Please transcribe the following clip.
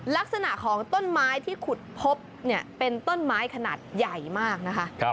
ลักษณะของต้นไม้ที่ขุดพบเป็นต้นไม้ขนาดใหญ่มากนะคะ